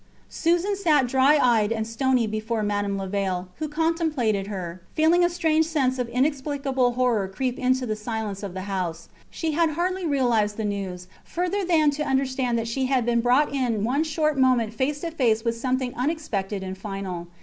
Susan sat dry eyed and stony before Madame Levaille, who contemplated her, feeling a strange sense of inexplicable horror creep into the silence of the house. She had hardly realised the news, further than to understand that she had been brought in one short moment face to face with something unexpected and final.